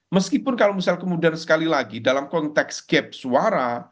meskipun kalau misal kemudian sekali lagi dalam konteks gap suara